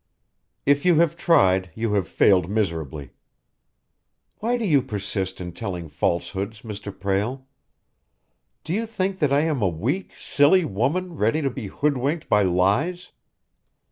"If you have tried, you have failed miserably. Why do you persist in telling falsehoods, Mr. Prale. Do you think that I am a weak, silly woman ready to be hoodwinked by lies?"